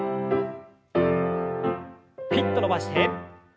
ピッと伸ばして。